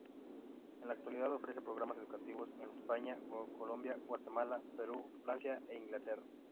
En la actualidad ofrece programas educativos en España, Colombia, Guatemala, Perú, Francia e Inglaterra.